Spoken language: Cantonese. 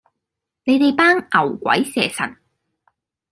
你哋班牛鬼蛇神